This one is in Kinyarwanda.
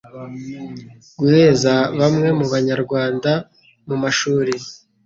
guheza bamwe mu Banyarwanda mu mashuri